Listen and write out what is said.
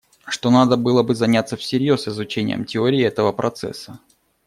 Что надо было бы заняться всерьез изучением теории этого процесса.